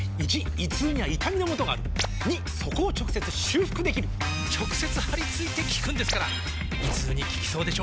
①胃痛には痛みのもとがある②そこを直接修復できる直接貼り付いて効くんですから胃痛に効きそうでしょ？